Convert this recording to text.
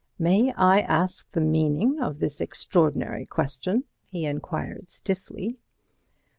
"May I ask the meaning of this extraordinary question?" he enquired stiffly.